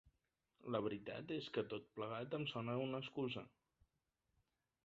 La veritat és que tot plegat em sona a excusa.